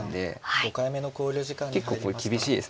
結構これ厳しいです。